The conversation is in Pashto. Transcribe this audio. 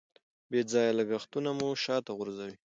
بې ځایه لګښتونه مو شاته غورځوي.